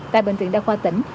tại bệnh viện đa khoa tỉnh